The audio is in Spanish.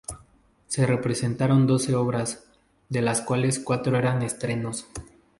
Se representaron doce obras, de las cuales cuatro eran estrenos.